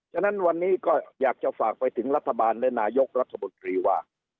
ฉะนั้นวันนี้ก็อยากจะฝากไปถึงรัฐบาลและนายกรัฐมนตรีว่า